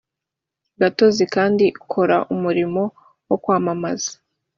gatozi kandi ukora umurimo wo kwamamaza